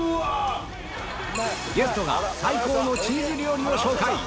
ゲストが最高のチーズ料理を紹介！